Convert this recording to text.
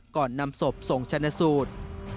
ก่อนนำศพส่งชนะสูตร